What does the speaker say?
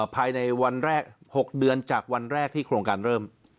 ภายในวันแรก๖เดือนจากวันแรกที่โครงการเริ่ม